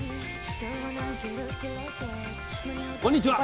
こんにちは。